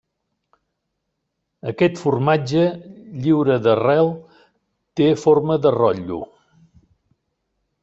Aquest formatge lliure d'arrel té forma de rotllo.